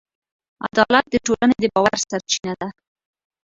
عدالت د ټولنې د باور سرچینه ده.